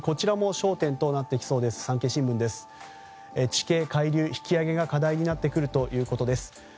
地形、海流、引き揚げが課題になってくるということです。